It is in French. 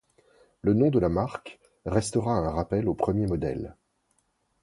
Le nom de la marque restera un rappel au premier modèle.